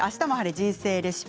人生レシピ」